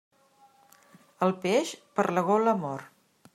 El peix, per la gola mor.